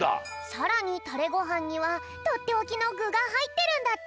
さらにタレごはんにはとっておきのぐがはいってるんだって！